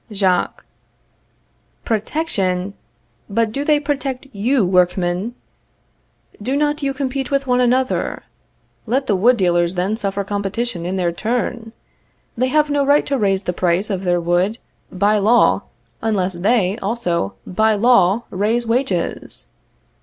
Jacques. Protection! But do they protect you, workmen? Do not you compete with one another? Let the wood dealers then suffer competition in their turn. They have no right to raise the price of their wood by law, unless they, also, by law, raise wages.